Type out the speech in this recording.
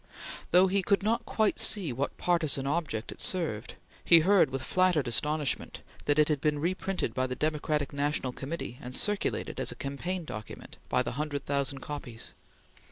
Though he could not quite see what partisan object it served, he heard with flattered astonishment that it had been reprinted by the Democratic National Committee and circulated as a campaign document by the hundred thousand copies.